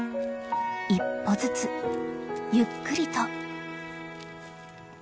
［一歩ずつゆっくりと］